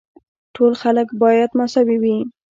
ټول خلک باید مساوي وي.